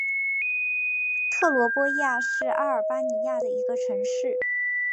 特罗波亚是阿尔巴尼亚的一个城市。